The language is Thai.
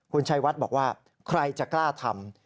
คุณชัยวัดบอกว่าใครจะกล้าทำ